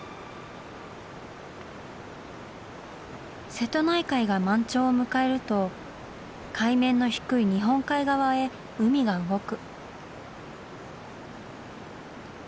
瀬戸内海が満潮を迎えると海面の低い日本海側へ海が動く。